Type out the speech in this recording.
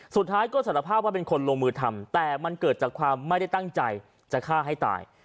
สุดท้ายก็สารภาพว่าเป็นคนลงมือทำแต่มันเกิดจากความไม่ได้ตั้งใจจะฆ่าให้ตาย